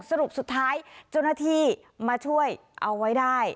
สรุปสุดท้ายเจ้าหน้าที่มาช่วยเอาไว้ได้